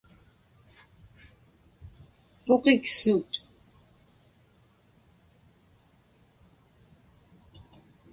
Pukiqsut.